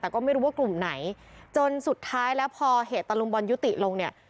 แต่ก็ไม่รู้ว่ากลุ่มไหนจนสุดท้ายแล้วพอเหตุตะลุมบอลยุติลงเนี่ย